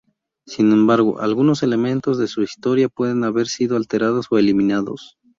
Sin embargo, algunos elementos de su historia pueden haber sido alterados o eliminados.